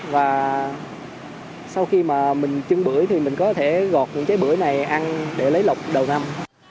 và sau khi mà mình chưng bưởi thì mình có thể gọt trái bưởi này ăn để lấy lọc đầu năm